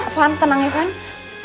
fani tenang ya fani